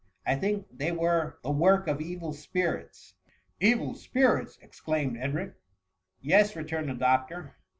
I think they were the work of evil spirits.'" Evil spirits !'' exclaimed Edric. " Yes,'*' returned the doctor.